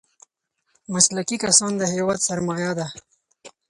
مسلکي کسان د هېواد سرمايه ده.